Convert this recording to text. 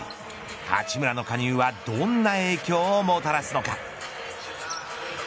八村の加入はどんな影響をもたらすのか。